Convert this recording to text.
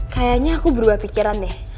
kayaknya aku berubah pikiran deh